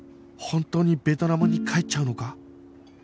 本当にベトナムに帰っちゃうのか？